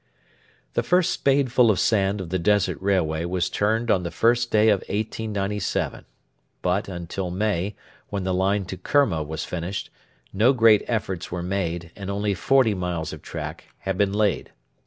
The first spadeful of sand of the Desert Railway was turned on the first day of 1897; but until May, when the line to Kerma was finished, no great efforts were made, and only forty miles of track had been laid.